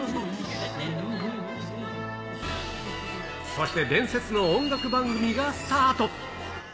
そして伝説の音楽番組がスタート。